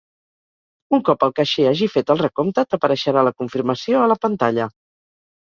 Un cop el caixer hagi fet el recompte t'apareixerà la confirmació a la pantalla.